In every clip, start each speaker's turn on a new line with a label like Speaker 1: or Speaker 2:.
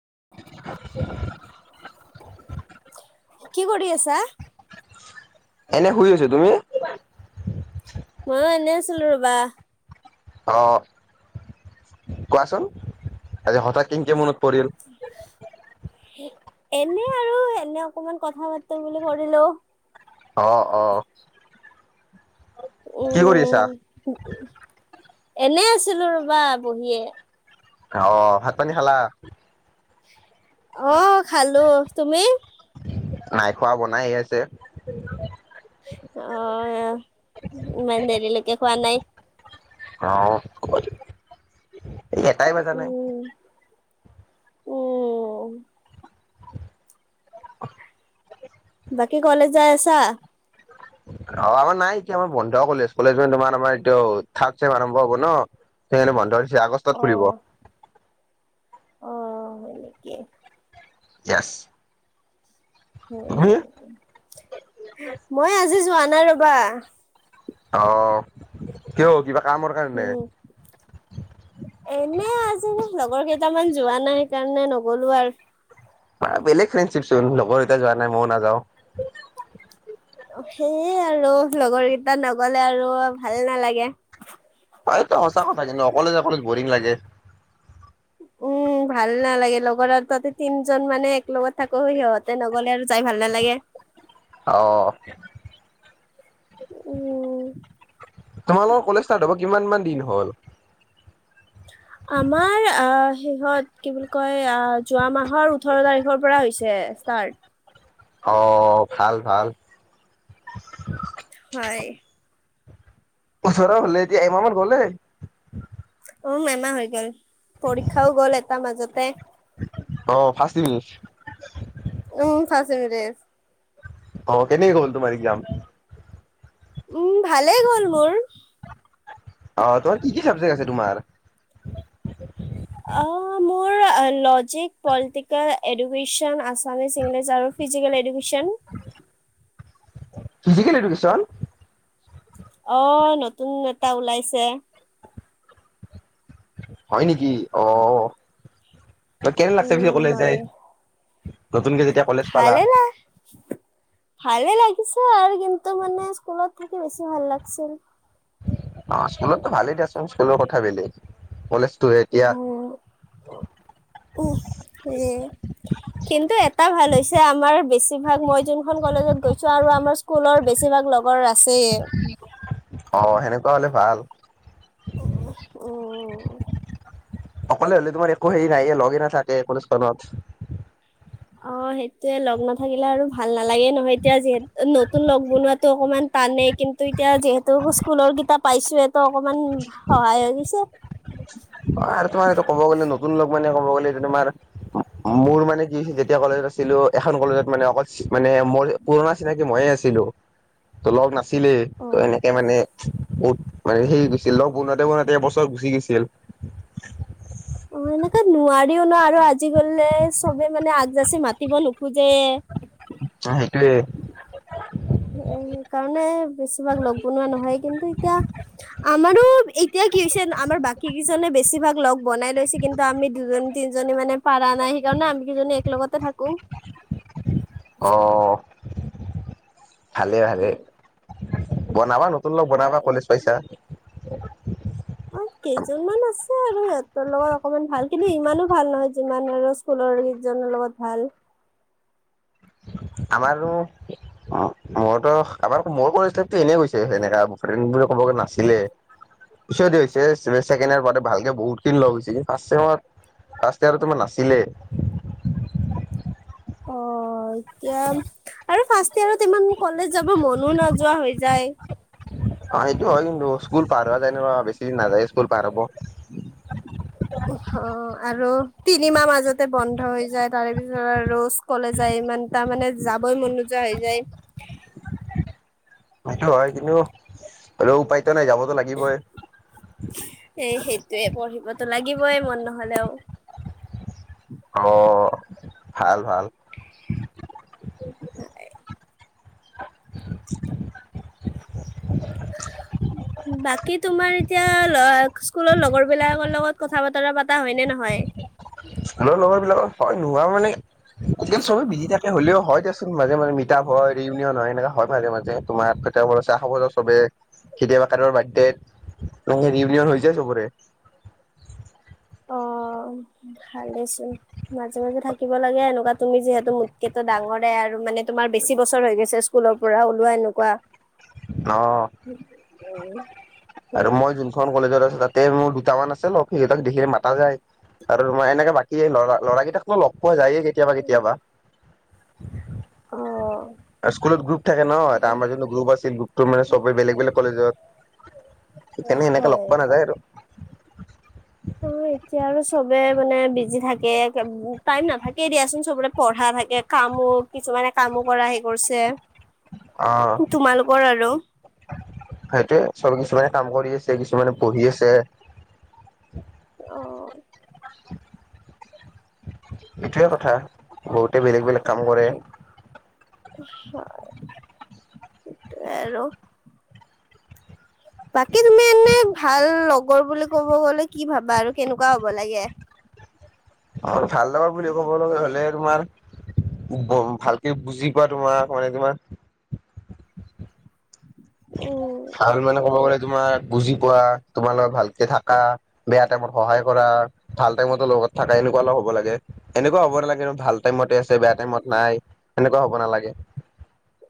Speaker 1: [inaudible]
Speaker 2: কি কৰি আছা?
Speaker 1: এনে শুই আছো, তুমি?
Speaker 2: মই এনে আছিলো ৰবা।
Speaker 1: অ' কোৱাচোন, আজি হঠাৎ কেনকে মনত পৰিল?
Speaker 2: এনে আৰু এনে অকমান কথা পাতো বুলি কৰিলো।
Speaker 1: অ' অ' কি কৰি আছা?
Speaker 2: উম, এনে আছিলো ৰ'বা বহিয়ে।
Speaker 1: অ' ভাত পানী খালা?
Speaker 2: অহ খালো, তুমি?
Speaker 1: নাই খোৱা, বনাই হে আছে।
Speaker 2: অ' ইমান দেৰিলৈকে খোৱা নাই?
Speaker 1: অ' ক এটাই বাজা নাই।
Speaker 2: উম, উম বাকী কলেজ যাই আছা?
Speaker 1: অ' আমাৰ নাই এতিয়া আমাৰ বন্ধ কলেজ, কলেজ মানে তোমাৰ আমাৰ এইটো থাৰ্ড চেম আৰম্ভ হ'ব ন। সেইকাৰণে বন্ধ দিছে, আগষ্টত খুলিব।
Speaker 2: অ', অ' এনেকেই
Speaker 1: ইয়েছ।
Speaker 2: মই আজি যোৱা নাই ৰবা।
Speaker 1: অ কিয় কিবা কামৰ কাৰণে।
Speaker 2: উম, এনে আজি লগৰ কেইটামান যোৱা নাই, সেইকাৰণে নগলো আৰু।
Speaker 1: বা বেলেগ ফ্ৰেণ্ডশ্বিপ চোন লগৰ কেইতা যোৱা নাই, মই ও নাযাওঁ।
Speaker 2: সেই আৰু লগৰ কেইটা নগলে আৰু ভাল নালাগে।
Speaker 1: হয় টো তহঁতৰ সঁচা কথা, কিন্তু অকলে যাবলে বৰিং লাগে।
Speaker 2: উম, ভাল নালাগে লগৰ আৰু তাতে তিনজন মানে এক লগত থাকো, সিহঁতে নগ'লে আৰু যাই ভাল ভাল নালাগে।
Speaker 1: অ'
Speaker 2: উম
Speaker 1: তোমালোকৰ কলেজ ষ্টাৰ্ট হ'ব কিমান মান দিন হ'ল?
Speaker 2: আমাৰ অ শেহত কি বুলি ক'য় আহ যোৱা মাহৰ ওঠৰ তাৰিখৰ পৰা হৈছে। ষ্টাৰ্ট
Speaker 1: অ ভাল ভাল।
Speaker 2: হয়।
Speaker 1: ওচৰৰ হ'লে এতিয়া এমাহ মান গ'লে।
Speaker 2: অ' আমাৰ হৈ গ'ল, পৰীক্ষাও গ'ল এটাৰ মাজতে।
Speaker 1: অ' ৰ্ফাষ্ট ইউনিত টেষ্ট?
Speaker 2: উম ৰ্ফাষ্ট ইউনিত টেষ্ট।
Speaker 1: অ' এনেকৈ গ'ল তোমাৰ এক্মাম।
Speaker 2: উম, ভালে গ'ল মোৰ।
Speaker 1: আহ তোমাৰ কি কি চাবজেক্ট আছে তোমাৰ।
Speaker 2: অ' মোৰ। Logic, political, education, Assamese, English আৰু ফিজিকেল এডুকেশ্যন। [inaudible]
Speaker 1: Physical education.
Speaker 2: অ' নতুন এটা ওলাইছে।
Speaker 1: হয় নেকি অ' কেনে লাগছে
Speaker 2: উম,
Speaker 1: পিছে কলেজ
Speaker 2: হয়।
Speaker 1: যায়।
Speaker 2: ভালে লাই ভালে লাগি পিছে আৰু কিন্তু মানে স্কুলত থাকি বেছি ভাল লাগছিল।
Speaker 1: অ' স্কুলতো ভালেই দিয়াচোন, স্কুলৰ কথা বেলেগ কলেজ।
Speaker 2: হম। উ, উম, কিন্তু এটা ভাল। পিছে আমাৰ বেছিভাগ মই যোনখন কলেজত গৈছো আৰু আমাৰ স্কুলৰ বেছিভাগ লগৰ আছে।
Speaker 1: অ' সেনেকুৱা হ'লে ভাল।
Speaker 2: আহ
Speaker 1: অকলে হ'লে তোমাৰ একো হেৰি নাইয়, লগেই নাথাকে কোনো কলেজ খনত।
Speaker 2: অ' সেইটোয়ে লগ নাথাকিলে আৰু ভাল নালাগে নহয়, এতিয়া যিহেতু নতুন লগ বনোৱাতো অকমান। টানে কিন্তু এতিয়া যিহেতু স্কুলৰ কিতাপ পাইছোহটো অকমান সহায় হৈছে।
Speaker 1: [inaudible] আৰু তোমাৰ এইটো ক'ব গ'লে নতুন লগ মানে ক'ব গ'লে তোমাৰ মোৰ মানে কি যেতিয়া কলেজত আছিল। এখন কলেজত মানে অকল মানে মই পুৰণা চিনাকি মইয়ে আছিলো ত লগ নাছিল। নাছিলেই ত
Speaker 2: অ',
Speaker 1: এনেকে মানে। বহুত মানে হেৰি গৈছিল, লগ বনাতে বনাতে এবছৰ গুচি গৈছিল।
Speaker 2: [inaudible] এনেকে নোৱাৰিও ন আৰু আজি কাললে চবে মানে আগজাচি মাতিব নোখোজে।
Speaker 1: অ' সেইটোৱেই
Speaker 2: সেইকাৰণে বেছিভাগ লগ বনোৱা নহয় কিন্তু এতিয়া আমাৰো এতিয়া কি হৈছে, আমাৰ বাকী কেইজনে বেছিভাগ লগ বনাই লৈছে, কিন্তু আমি দুজন, তিনিজন। মানে পাৰা নাই সেইকাৰণে আমি কেইজনী এক লগতে থাকো।
Speaker 1: অ' ভালে, ভালে, বনাবা নতুন লগ বনাবা
Speaker 2: হয়।
Speaker 1: কলেজ পইচা।
Speaker 2: অ', কেইজনমান আছে আৰু সিহঁতৰ লগত অকমান ভাল কিন্তু ইমানো ভাল নহয় যিমান আৰু স্কুলৰ কেইজন লগত ভাল।
Speaker 1: আমাৰো মইটো আমাৰ মোৰ কলেজ লাইফটো এনেই গৈছে সেনেকা ক'ব গৈ নাছিলে পিছ দে হৈছে ছেমিষ্টাৰ কেনেকে পাতে ভালকে বহুত কিন লগ হৈছে কিন্তু ফাৰ্ষচেমত ফাৰ্ষ্ট ইয়াৰতটো মই নাছিলে।
Speaker 2: [inaudible] অহ' অ' এতিয়া আৰু ফাৰ্ষ্ট ইয়াৰত ইমান কলেজ যাব মনো নাযোৱা হৈ যায়। [inaudible]
Speaker 1: অ' সেইটো হয় কিন্তু, স্কুল পাহাৰোৱা যায় না বেছি দিন নাযায় স্কুল পাৰ হ'ব।
Speaker 2: অ' আৰু তিনিমাহ মাজতে বন্ধ হৈ যায় তাৰে পিছত আৰু ৰুজ ক'লেজ যায় ইমান তাৰ মানে যাবই মনযো যোৱা হৈ যায়। [inaudible]
Speaker 1: সেইটো হয়, কিন্তু হলেও উপায়তো নাই যাবতো লাগিবই।
Speaker 2: তে পঢ়িবতো লাগিবই মন নহলেও।
Speaker 1: অ', ভাল, ভাল।
Speaker 2: হয়, [inaudible] বাকী তোমাৰ এতিয়া স্কুলৰ লগৰ বিলাকৰ লগত কথা বতৰা পতা হয় নে নহয়? [inaudible]
Speaker 1: স্কুলৰ লগৰ বিলাকত হয় নোহোৱা মানে আজালি চবে বিজি থাকে হলেও হয় দিয়াচোন মাজে মাজে মিতাপ হয় ৰিউনিয়ন হয় এনেকুৱা হয় মাজে মাজে তোমাৰ চাহ খাব যাওঁ চবে। কেতিয়াবা কাৰবাৰ বাৰ্থডেত ৰিউনিয়ন হৈ যায় চবৰে।
Speaker 2: অ', ভালেইছোন মাজে মাজে থাকিব লাগে এনেকুৱা তুমি যিহেতু মোতকেতো ডাঙৰে আৰু। মানে তোমাৰ বেছি বছৰ হৈ গৈছে স্কুলৰ পৰা ওলোৱা এনেকুৱা
Speaker 1: অ', আৰু
Speaker 2: উম
Speaker 1: মই যোনখন কলেজত আছো তাত তে মোৰ দুটামান আছে লগ সিহঁতক দেখিলে মাতা যায়। আৰু তোমাৰ এনেকে বাকী লৰা ল'ৰা কেইটাকতো লগ পোৱা যায়েই। কেতিয়াবা কেতিয়াবা। আৰু স্কুলত গ্ৰুপ থাকে ন' এটা
Speaker 2: অ
Speaker 1: আমাৰ যোনটো গ্ৰুপ আছিল গ্ৰুপটো মানে চবেই বেলেগ বেলেগ কলেজৰ।
Speaker 2: অ
Speaker 1: সিকাৰনে এনেকে লগ
Speaker 2: হয়
Speaker 1: পোৱা নাযায় আৰু।
Speaker 2: অ', এতিয়া আৰু চবে মানে বিজি থাকে টাইম নাথাকে দিয়াচোন চবৰে পঢ় থাকে কামো কিছুমানে কামো কৰা হে কৰিছে।
Speaker 1: অ',
Speaker 2: তোমালোকৰ আৰু
Speaker 1: সেইটোয়ে চবে কিছুমানে কাম কৰি আছে। এতিয়া কিছুমানে পঢ়ি আছে।
Speaker 2: অ',
Speaker 1: এইটোৱে কথা বহুতে বেলেগ বেলেগ কাম কৰে।
Speaker 2: সেইটোৱে আৰু। বাকী তুমি এনে ভাল লগৰ বুলি ক'ব গ'লে কি ভাবা আৰু কেনেকুৱা হ'ব লাগে?
Speaker 1: অ', ভাল লগা বুলি ক'ব লগা হলে তোমাৰ ভালকে বুজি পোৱা তোমাক মানে তোমাৰ
Speaker 2: উম
Speaker 1: ভাল মানে ক'ব গলে। তোমাক বুজি পোৱা তোমাৰ লগত ভালকে থাকা বেয়া টাইমত সহায় কৰা ভাল টাইমতো লগ থকা এনেকুৱা লগ হ'ব লাগে, এনেকুৱা হ'ব নালাগে কিন্ত ভাল টাইমতে আছে, বেয়া টাইমত নাই এনেকুৱা হ'ব নালাগে।
Speaker 2: [inaudible]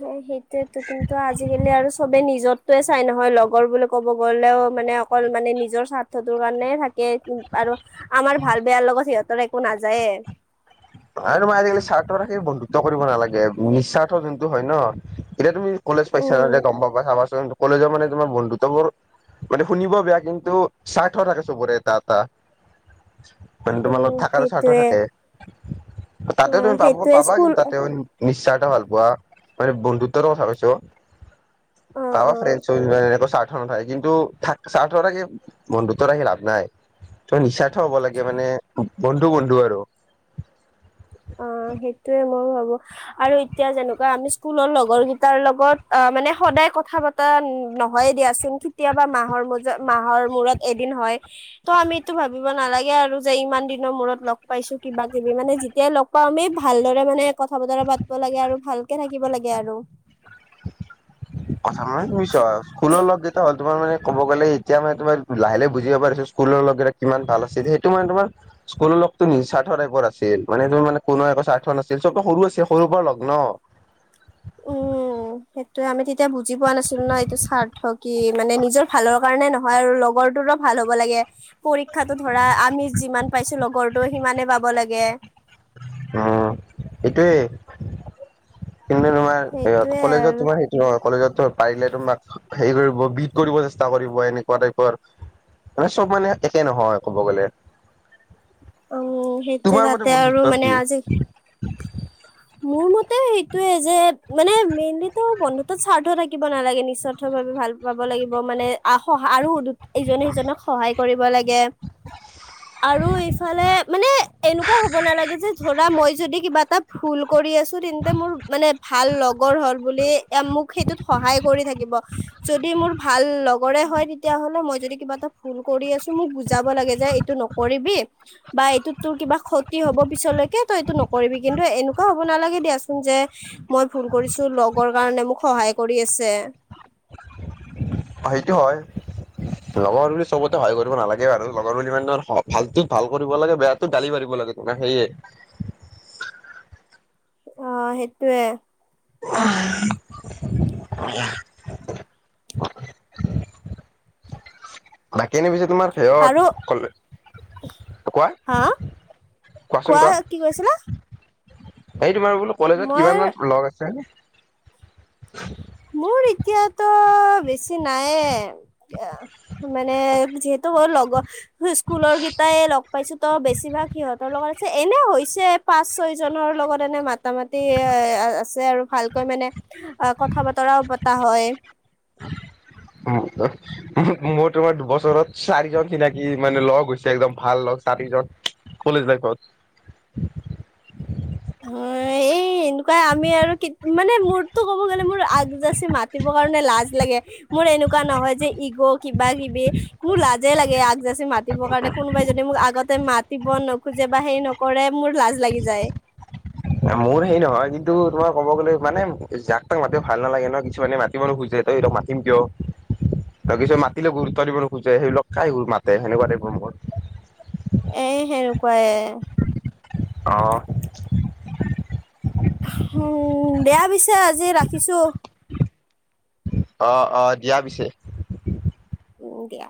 Speaker 2: সেইটোয়েতো কিন্তু আজিকালি আৰু চবে নিজৰ চাই নহয় লগৰ বুলি ক'ব গ'লেও, মানে অকল মানে নিজৰ স্বাৰ্থটোৰ কাৰণে থাকে। আৰু আমাৰ ভাল বেয়াৰ লগত সিহঁতৰ একো নাযায়ে।
Speaker 1: আৰু তোমাৰ আজিকালি স্বাৰ্থ ৰাখি বন্ধুত্ব কৰিব নালাগে নিস্বাৰ্থ যোনটো হয় ন এতিয়া তুমি। কলেজ পাইছা
Speaker 2: উম
Speaker 1: যে গ'ম পাবা চাবাচোন কলেজৰ মানে তোমাৰ বন্ধুত্ববোৰ মানে শুনিব বেয়া কিন্তু স্বাৰ্থ থাকে চবৰে এটা এটা। মানে তোমাৰ
Speaker 2: উম
Speaker 1: লগত থাককাৰ স্বাৰ্থ
Speaker 2: সেইটোয়ে
Speaker 1: থাকে। তাতেও
Speaker 2: অ',
Speaker 1: তুমি পাব
Speaker 2: সেইটোৱে
Speaker 1: পাবা
Speaker 2: স্কুল
Speaker 1: কিন্তু তাতেও নিশ্চয় এটা ভাল পোৱা। মানে বন্ধুত্বৰ কথা কৈছো অ' আ ফ্ৰেইণ্ডচ [unintelligible] কিন্তু থ চাৰ্থ থাকে বন্ধুত্ব ৰাখি লাভ নাই। ত' নিস্বাৰ্থ হব লাগে মানে বন্ধু বন্ধু আৰু।
Speaker 2: অ' সেইটোয়ে মই ভাবো আৰু এতিয়া যেনেকুৱা আমি স্কুলৰ লগৰ কিটাৰ লগত অ, মানে সদায় কথা পতা নহয়ে দিয়াচোন কেতিয়াবা মাহৰ ম মাহৰ মূৰত এদিন হয় ত' আমিতটো ভাবিব ন নালাগে আৰু যে ইমান দিনৰ মূৰত লগ পাইছো কিবা কিবি মানে এতিয়া লগ পাওঁ আমি ভালদৰে মানে কথা বতৰা পাতব লাগে আৰু ভালকে থাকিব লাগে আৰু।
Speaker 1: কথা মানে তুমি চোৱা স্কুলৰ লগ কেইটা হ'ল তোমাৰ মানে ক'ব গ'লে এতিয়া মানে তোমাৰ লাহে লাহ বুজি পাবা দেচোন স্কুল লগ বিলাক কিমান ভাল আছিল। এইটো মানে তোমাৰ। স্কুলৰ লগতো নিজ স্বাৰ্থোৱা টাইপৰ আছিল। মানে ত মানে কোনো এক সাৰ্থোৱা নাছিল চবে সৰু আছে সৰুৰ পৰা লগ ন।
Speaker 2: উম। উ সেইটোয়ে আমি তেতিয়া বুজি পোৱা নাছিলো ন এইটো স্বাৰ্থ কি মানে নিজৰ ভালৰ কাৰণে নহয় আৰু লগত লগৰটো ভাল হ'ব লাগে, পৰীক্ষা ধৰা আমি যিমান পাইছো লগৰটো সিমানে পাব লাগে।
Speaker 1: অ' এইটোৱে। কিন্তু তোমাৰ
Speaker 2: সেইটোয়ে
Speaker 1: কলেজত
Speaker 2: আৰু
Speaker 1: তোমাৰ সেইটো নহয় কলেজত পাৰিলে তোমাক। হেৰি কৰিব বিট কৰিব চেষ্টা কৰিব এনেকুৱা টাইপৰ মানে চ'ব মানে একে নহয় ক'ব গ'লে।
Speaker 2: উম, সেইটোৱে
Speaker 1: তোমাৰ মতে
Speaker 2: তাতে আৰু
Speaker 1: বন্ধুত্ব
Speaker 2: মানে
Speaker 1: কি
Speaker 2: আজি মোৰ মতে সেইটোয়ে যে মানে মেইনলি তো বন্ধুতত স্বাৰ্থ থাকিব নালাগে নিস্বাৰ্থ ভাৱে ভাল পাব। থাকিব লাগিব মানে, আখহ আৰু ইজনে সিজনক সহায় কৰিব লাগে, আৰু ইফালে মানে। এনেকুৱা হ'ব নালাগে যে ধৰা মই যদি কিবা এটা ভুল কৰি আছো তেন্তে মোৰ মানে ভাল লগত লগৰ হ'ল বুলি। মোক সেইটোত সহায় কৰি থাকিব, যদি মোৰ ভাল লগৰে হয়, তেতিয়া হ'লে মই যদি কিবা এটা ভুল ভুল কৰি আছো, মোক বুজাব লাগে যে এইটো নকৰিবি। বা এইটোত তোৰ কিবা ক্ষতি হ'ব পিছলৈকে, তই এইটো নকৰিবি কিন্তু এনেকুৱা হ'ব নালাগে দিয়াচোন যে মই ভুল কৰিছো, লগৰ কাৰণে মোক সহায় কৰি আছে।
Speaker 1: হেইটো হয়। লগৰ বুলি চবতে সহ কৰিব নালাগে ব আৰু লগৰ বুলি মানে ভালতো ভাল কৰিব লাগে বেয়াতো গালি পাৰিব লাগে তোমাৰ সেয়ে।
Speaker 2: [inaudible] অ' সেইটোৱে
Speaker 1: উমহ, বৰগয়াহ। বাকী নিবিছে তোমাৰ
Speaker 2: আৰু
Speaker 1: সেহত ক কোৱা
Speaker 2: হা কোৱা কি কৈছিলা।
Speaker 1: এই তোমাৰ বোলো কলেজত
Speaker 2: মই
Speaker 1: কিমান মান লগ আছে।
Speaker 2: মোৰ এতিয়াতো বেছি নাইে, মানে যিহেতু, লগ স্কুলৰ কেইটাই লগ পাইছো তো বেছিভাগ সিহঁতৰ লগত আছে এনে হৈছে। পাঁচ ছয়জনৰ লগত এনে মাতা মাটি এ আছে আৰু ভালকৈ মানে ক। কথা বতৰাও পতা হয়।
Speaker 1: মোৰ তোমাৰ দুবছৰত চাৰিজন চিনাকি মানে লগ হৈছে, একদম ভাল লগ চাৰি কলেজ লাইট।
Speaker 2: [inaudible] অ', এ কাৱা আমি আৰু মানে মোৰতো ক'ব গ'লে মোৰ আগজাচি মাতিবৰ কাৰণে লাজ লাগে মোৰ এনেক এনেকুৱা নহয় যে ইগ' কিবা কিবি মোৰ লাজে লাগে আগজাচি মাতিবৰ কাৰণে কোনোবাই যদি মোক আগত তাতে মাতিব নোখোজে বা হে নকৰে মোৰ লাজ লাগি যায়।
Speaker 1: মোৰ সেই নহয় কিন্তু তোমাৰ ক'ব গ'লে মানে জাক তাক মাতিব ভাল নালাগে ন' কিছুমানে মাতিব নুখুজে ত' মাতিম কিয়? ত' কিছু মাতিলে গুৰুত্ব দিব নুখুজে সেই লক কাই মাতে সেনেকুৱা টাইপৰ মোৰ।
Speaker 2: এ সেনেকুৱায়ে।
Speaker 1: অ'
Speaker 2: উম, দিয়া পিছে আজি ৰাখিছো।
Speaker 1: অ' অ' দিয়া পিছে।
Speaker 2: উম, দিয়া।